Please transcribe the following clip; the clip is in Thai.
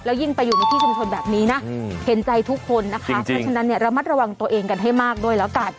ยิ่งไปอยู่ในที่ชุมชนแบบนี้นะเห็นใจทุกคนนะคะเพราะฉะนั้นเนี่ยระมัดระวังตัวเองกันให้มากด้วยแล้วกัน